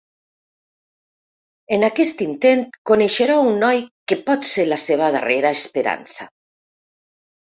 En aquest intent coneixerà un noi que pot ser la seva darrera esperança.